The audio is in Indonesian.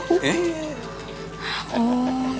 oh dosa ya pak